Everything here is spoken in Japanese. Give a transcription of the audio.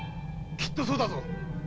きっとそうだぞ。